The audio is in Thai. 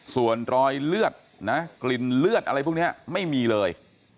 ส่วนรอยเลือดนะกลิ่นเลือดอะไรพวกนี้ไม่มีเลย